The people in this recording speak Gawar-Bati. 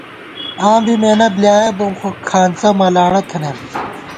آں بی مېنہ بۡلیایَہ بوم خو کھانڅہ ملاڑہ تھنَئیم